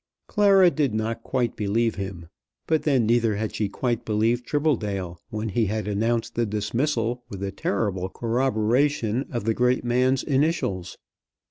Clara did not quite believe him; but then neither had she quite believed Tribbledale, when he had announced the dismissal with the terrible corroboration of the great man's initials.